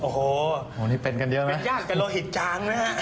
โอ้โหนี่เป็นกันเยอะนะเป็นญาติกับโลหิตจางนะฮะ